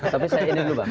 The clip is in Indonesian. tapi saya ini dulu bang